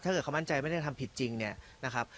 ถ้าเกิดเขามั่นใจไม่ได้ทำผิดจริงเนี่ยนะครับ